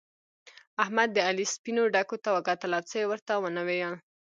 احمد د علي سپينو ډکو ته وکتل او څه يې ورته و نه ويل.